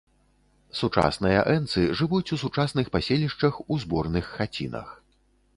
Сучасныя энцы жывуць у сучасных паселішчах у зборных хацінах.